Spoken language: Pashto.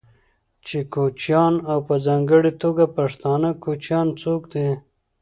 چې کوچيان او په ځانګړې توګه پښتانه کوچيان څوک دي،